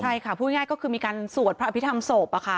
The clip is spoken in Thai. ใช่ค่ะพูดง่ายก็คือมีการสวดพระอภิษฐรรมศพ